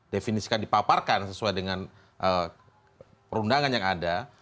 definisikan dipaparkan sesuai dengan perundangan yang ada